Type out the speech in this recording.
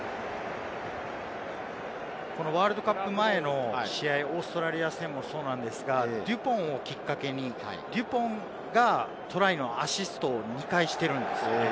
ワールドカップ前の試合、オーストラリア戦もそうなんですが、デュポンをきっかけに、デュポンがトライのアシストを２回しているんですね。